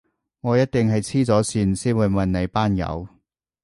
我一定係痴咗線先會問你班友